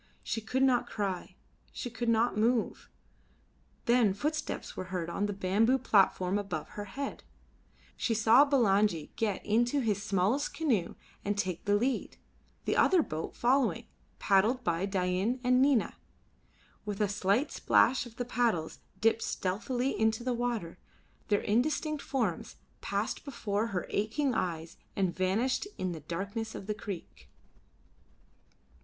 She could not cry, she could not move. Then footsteps were heard on the bamboo platform above her head; she saw Bulangi get into his smallest canoe and take the lead, the other boat following, paddled by Dain and Nina. With a slight splash of the paddles dipped stealthily into the water, their indistinct forms passed before her aching eyes and vanished in the darkness of the creek.